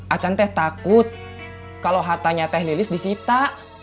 acan teh takut kalau hartanya teh lilis disita